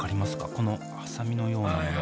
このハサミのようなもの